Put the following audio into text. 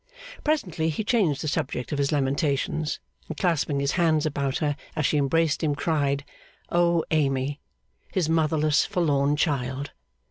Presently he changed the subject of his lamentations, and clasping his hands about her as she embraced him, cried, O Amy, his motherless, forlorn child!